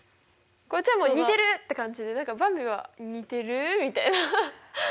こっちは似てる！って感じでばんびは似てる？みたいな。